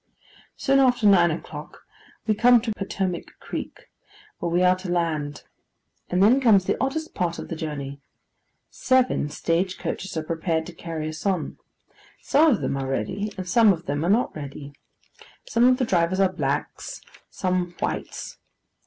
Soon after nine o'clock we come to Potomac Creek, where we are to land; and then comes the oddest part of the journey. Seven stage coaches are preparing to carry us on. Some of them are ready, some of them are not ready. Some of the drivers are blacks, some whites.